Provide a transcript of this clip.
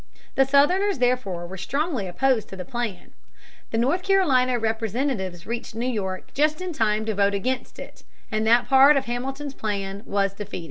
The Southerners, therefore, were strongly opposed to the plan. The North Carolina representatives reached New York just in time to vote against it, and that part of Hamilton's plan was defeated.